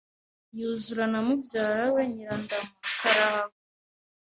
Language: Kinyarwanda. yuzura na mubyara we Nyirandama karahava